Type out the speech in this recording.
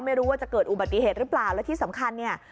ไม่รู้ว่าจะเกิดอุบัติเหตุหรือเปล่าและที่สำคัญเนี่ย